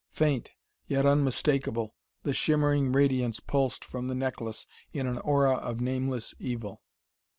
Faint, yet unmistakable, the shimmering radiance pulsed from the necklace in an aura of nameless evil.